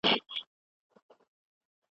وطن د غرو او سیندونو له امله ښکلی دی.